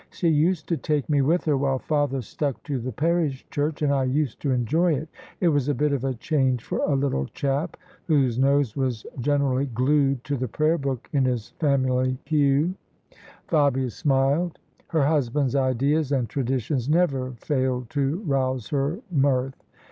She used to take me wrlth her, while father stuck to the parish church, and I used to enjoy it; it was a bit of a change for a little chap whose nose was generally glued to the prayer book in his family pew." Fabia smiled. Her husband's ideas and traditions never failed to rouse her mirth.